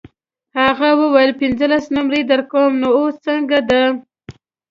هغه وویل پنځلس نمرې درکوم نو اوس څنګه ده.